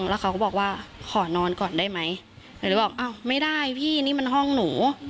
แล้วเขาก็บอกว่าขอนอนก่อนได้ไหมหนูเลยบอกอ้าวไม่ได้พี่นี่มันห้องหนู